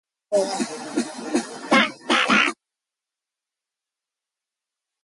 Isabella struggled to rule Hungary as Queen dowager for her son.